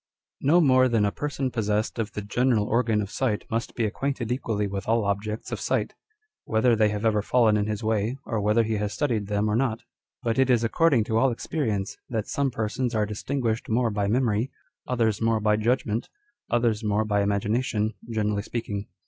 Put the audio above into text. l No more than a person possessed of the general organ of sight must be acquainted equally with all objects of sight, whether they have ever fallen in his way, or whether he has studied them or not. But it is according to all experience, that some persons are distinguished more by memory, others more by judgment, others more by ima gination, generally speaking.